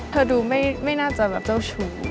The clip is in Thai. ดูไม่น่าจะแบบเจ้าชู้